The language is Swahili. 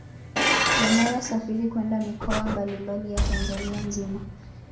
Yanayosafiri kwenda mikoa mbali mbali ya Tanzania nzima